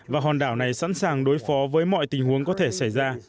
và hòn đảo này sẵn sàng đối phó với mọi tình huống có thể xảy ra